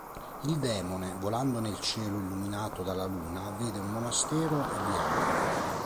Il Demone, volando nel cielo illuminato dalla luna, vede un monastero e vi entra.